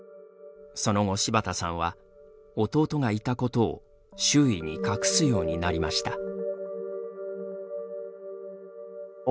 その後、柴田さんは弟がいたことを周囲に隠すようになりました。